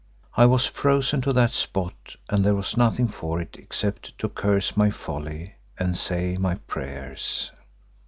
I was frozen to that spot and there was nothing for it except to curse my folly and say my prayers.